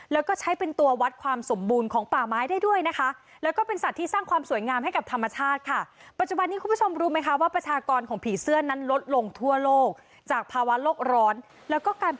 แล้วก็ใช้เป็นตัววัดความสมบูรณ์ของป่าไม้ได้ด้วยนะคะ